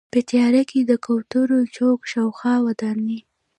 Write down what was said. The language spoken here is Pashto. په تیاره کې د کوترو چوک شاوخوا ودانۍ.